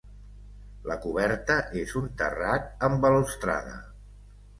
La coberta és un terrat amb balustrada.